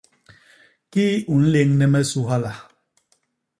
Kii u nléñne me su hala?